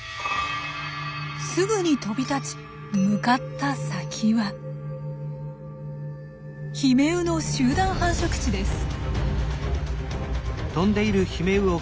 すぐに飛び立ち向かった先はヒメウの集団繁殖地です。